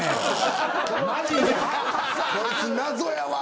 こいつ謎やわ。